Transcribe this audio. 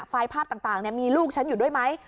ไฟล์ภาพต่างมีลูกฉันอยู่ด้วยไหม